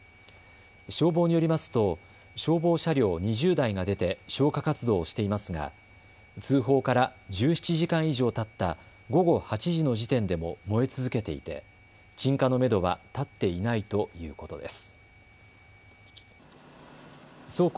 消防によりますと消防車両２０台が出て消火活動をしていますが通報から１７時間以上たった午後８時の時点でも燃え続けていて鎮火のめどは立っていないということです。